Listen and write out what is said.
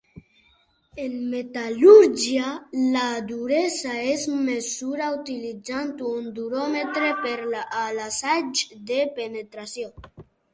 En metal·lúrgia la duresa es mesura utilitzant un duròmetre per a l'assaig de penetració.